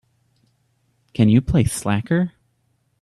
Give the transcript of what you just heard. Can you play Slacker?